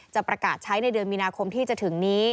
จะประกาศใช้ในเดือนมีนาคมที่จะถึงนี้